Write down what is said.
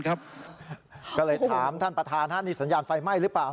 ก็เลยถามท่านประทานดังนั้นดังนั้นสัญญาณไฟไหม้หรือเปล่า